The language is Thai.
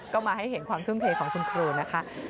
ก็มาให้เห็นความทุ่มเทของคุณครูนะคะ